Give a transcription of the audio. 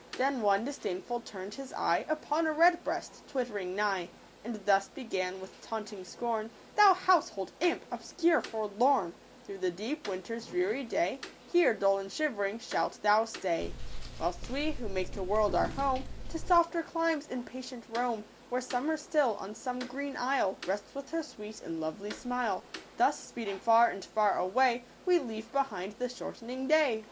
10s ■ Jl_.lL Then one disdainful turn'd his eye Upon a Redbreast twitt'ring nigh,. And thus began, with taunting scorn, —" Thou household imp, obscure, forlorn, Through the deep winter's dreary day Here, dull and shiv'ring, shalt thou stay ; Whilst we, who make the world our home, To softer climes impatient roam, Where summer still, on some green isle, Rests with her sweet and lovely smile : Thus, speeding far and far away, We leave behind the short'ning day."